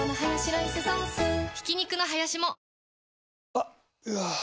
あっ、うわー。